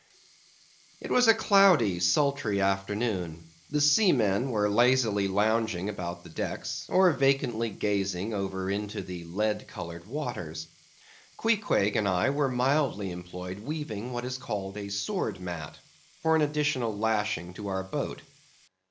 It was a cloudy, sultry afternoon; the seamen were lazily lounging about the decks, or vacantly gazing over into the lead coloured waters. Queequeg and I were mildly employed weaving what is called a sword mat, for an additional lashing to our boat.